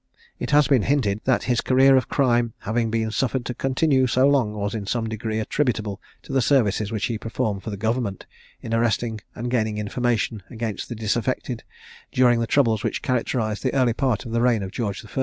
It has been hinted, that his career of crime having been suffered to continue so long was in some degree attributable to the services which he performed for the government, in arresting and gaining information against the disaffected, during the troubles which characterised the early part of the reign of George I.